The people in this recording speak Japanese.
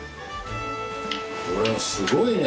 これはすごいね。